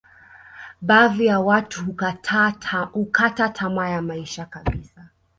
baadhi ya watu hukata tamaa ya maisha kabisa